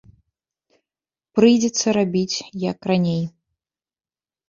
Прыйдзецца рабіць, як раней.